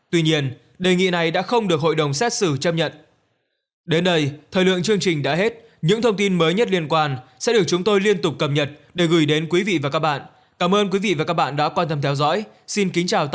tuy nhiên đề nghị này đã không được hội đồng xét xử chấp nhận